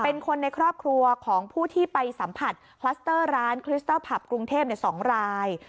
เป็นคนในครอบครัวของผู้ที่ไปสัมผัสคลัสเตอร์ร้านคริสเตอร์ผับกรุงเทพ๒ราย